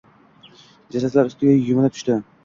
jasadlar ustiga yumalab tushdi!